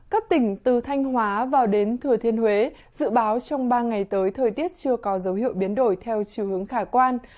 các tỉnh từ thanh hóa vào đến thừa thiên huế dự báo trong ba ngày tới thời tiết chưa có dấu hiệu biến đổi theo chiều hướng khả quan